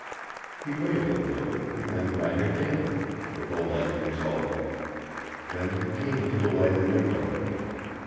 He waited a little and then rang again, with a like result. Then he came to the lighted window.